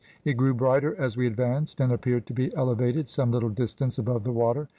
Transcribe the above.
It grew brighter as we advanced, and appeared to be elevated some little distance above the water.